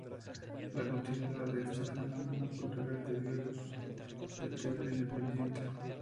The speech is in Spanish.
La continuidad de este fenómeno cultural recibió el nombre de "Teatro independiente".